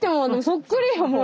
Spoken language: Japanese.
そっくりやもん。